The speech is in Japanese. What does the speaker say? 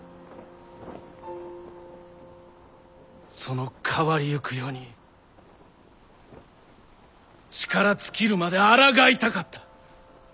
その変わりゆく世に力尽きるまであらがいたかった。